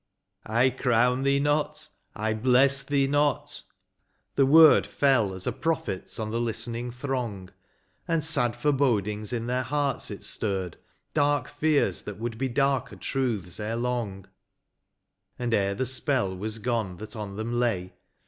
" I crown thee not, I bless thee not;" — the word Fell as a prophet's on the listening throng. And sad forebodings in their hearts it stirred, Dark fears that would be darker truths ere long : And ere the spell was gone that on them lay.